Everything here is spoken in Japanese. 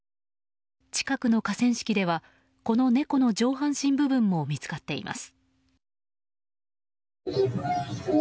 近くの河川敷ではこの猫の上半身部分も見つかっています。